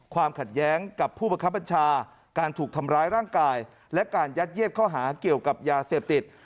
ความขัดแย้งกับผู้บังคับบัญชาการถูกทำร้ายร่างกายและการยัดเย็ดข้อหาเกี่ยวกับยาเสพติด